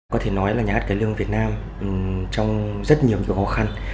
có thể nói là nhà hát cải lương việt nam trong rất nhiều khó khăn